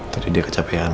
tadi dia kecapean